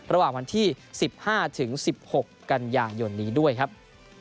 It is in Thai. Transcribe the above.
ระหว่างวันที่๑๕๑๖กันยายนนี้ด้วยครับ